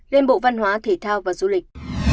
lên bộ văn hóa thể thao và du lịch